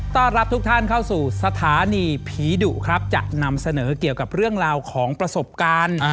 ต้อนรับทุกท่านเข้าสู่สถานีผีดุครับจะนำเสนอเกี่ยวกับเรื่องราวของประสบการณ์